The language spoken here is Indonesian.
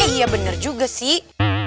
iya bener juga sih